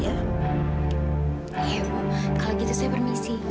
iya bu kalau gitu saya permisi